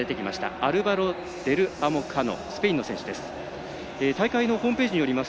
アルバロ・デルアモカノスペインの選手です。